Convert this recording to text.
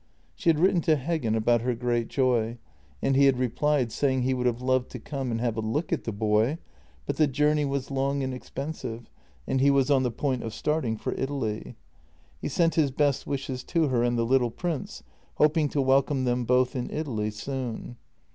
She had written to Heggen about her great joy, and he had replied saying he would have loved to come and have a look at the boy, but the journey was long and expensive and he was on the point of starting for Italy. He sent his best wishes to her and the little prince, hoping to welcome them both in Italy soon.